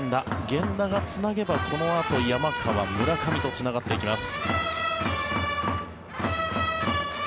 源田がつなげばこのあと山川、村上とつながっていきます。